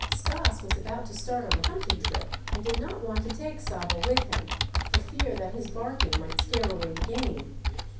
Stas was about to start on a hunting trip and did not want to take Saba with him, for fear that his barking might scare away the game.